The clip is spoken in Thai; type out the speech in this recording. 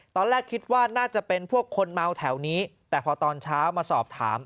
ตอนแรกคิดว่าน่าจะเป็นพวกคนเมาแถวนี้แต่พอตอนเช้ามาสอบถาม